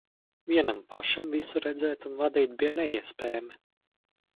Vienam pašam visu redzēt un vadīt bija neiespējami.